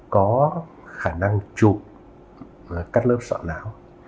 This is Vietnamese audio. có khả năng chụp các lớp sọ não